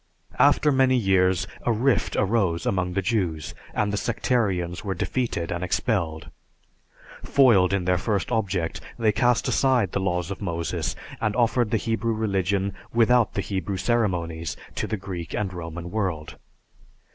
After many years, a rift arose among the Jews, and the sectarians were defeated and expelled. Foiled in their first object, they cast aside the laws of Moses and offered the Hebrew religion without the Hebrew ceremonies to the Greek and Roman world.